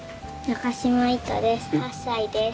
中島淳です。